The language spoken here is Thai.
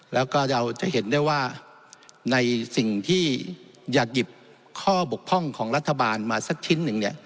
แล้วก็เราจะเห็นได้ว่าในสิ่งที่อยากหยิบข้อบกพร่องของรัฐบาลมาสักชิ้นหนึ่ง